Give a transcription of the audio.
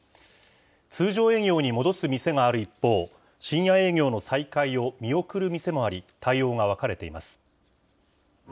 通常営業に戻す店がある一方、深夜営業の再開を見送る店もあり、対応が分かれています。